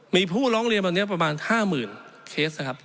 มีผู้ร้องเรียนประมาณ๕๐๐๐๐เคส